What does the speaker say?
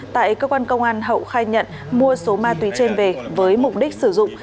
tại cơ quan công an hậu khai nhận mua số ma túy trên về với mục đích sử dụng